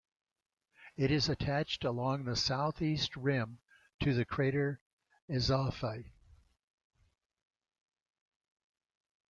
It is attached along the southeast rim to the crater Azophi.